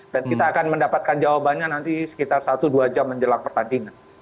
dan kita akan mendapatkan jawabannya nanti sekitar satu dua jam menjelang pertandingan